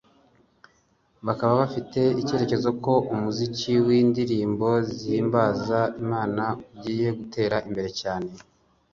bakaba bafite icyizere ko umuziki w’indirimbo zihimbaza Imana ugiye gutera imbere cyane